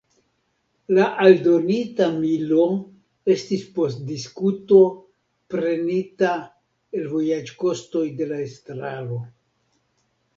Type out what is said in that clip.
La aldonita milo estis post diskuto prenita el vojaĝkostoj de la estraro.